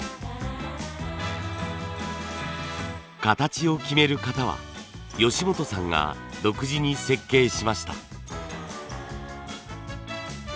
形を決める型は由元さんが独自に設計しました。